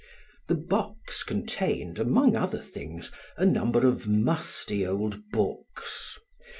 The box contained, among other things, a number of musty old books.